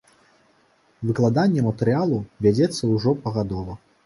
Выкладанне матэрыялу вядзецца ўжо пагадова.